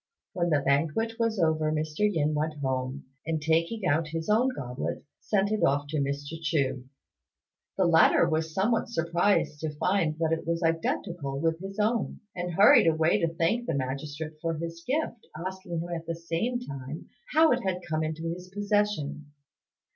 When the banquet was over, Mr. Yin went home, and taking out his own goblet, sent it off to Mr. Chu. The latter was somewhat surprised to find that it was identical with his own, and hurried away to thank the magistrate for his gift, asking him at the same time how it had come into his possession.